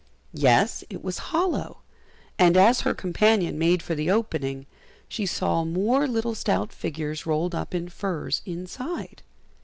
Yes, it was hollow; and as her companion made for the opening, she saw more little stout figures rolled up in furs inside.